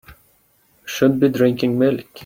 Should be drinking milk.